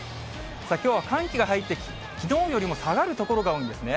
きょうは寒気が入って、きのうよりも下がる所が多いんですね。